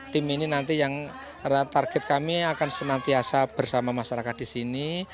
tim ini nanti yang target kami akan senantiasa bersama masyarakat di sini